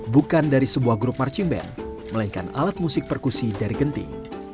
bukan dari sebuah grup marching band melainkan alat musik perkusi dari genting